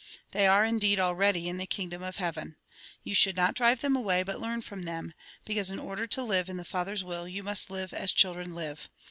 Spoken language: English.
They are, indeed, already in the kingdom of heaven. You should not drive them away, but learn from them ; because, in order to live in the Father's will, you must live as children live.